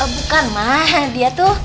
bukan ma dia tuh